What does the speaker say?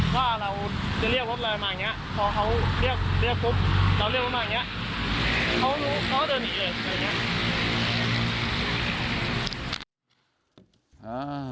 จะเรียกวัดลัยมาเงี้ยพอเขาเรียกเรียกพุทธเราเรียกวัดมาเงี้ยเขาเดินหนีเลย